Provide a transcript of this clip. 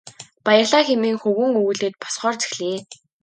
Баярлалаа хэмээн хөвгүүн өгүүлээд босохоор зэхлээ.